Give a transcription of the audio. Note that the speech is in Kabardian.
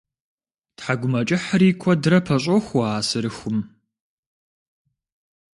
Тхьэкӏумэкӏыхьри куэдрэ пэщӏохуэ а сырыхум.